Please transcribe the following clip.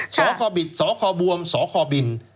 สอคอบิดสอคอบวมสอคอบิน